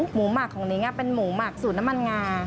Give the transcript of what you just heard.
หมักของนิ้งเป็นหมูหมักสูตรน้ำมันงา